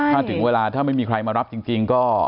ถ้าถึงเวลาถ้าไม่มีใครมารับจริงก็